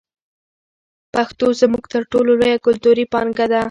پښتو زموږ تر ټولو لویه کلتوري پانګه ده.